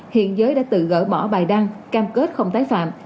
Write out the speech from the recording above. hiện giới đã tự gỡ bỏ bài đăng cam kết không tái phạm